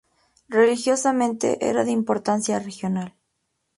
Religiosamente, era de importancia regional.